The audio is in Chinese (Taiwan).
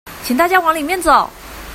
請大家往裡面走